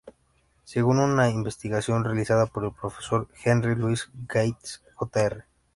Según una investigación realizada por el profesor Henry Louis Gates, Jr.